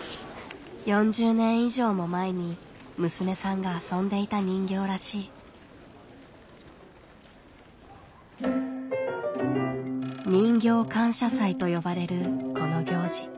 ４０年以上も前に娘さんが遊んでいた人形らしい。と呼ばれるこの行事。